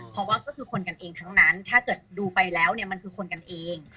เพราะว่าก็คือคนกันเองทั้งนั้นถ้าเกิดดูไปแล้วเนี่ยมันคือคนกันเอง